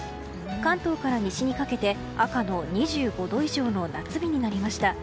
関東から西にかけて赤の２５度以上の夏日になりました。